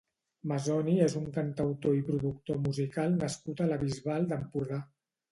Mazoni és un cantautor i productor musical nascut a la Bisbal d'Empordà.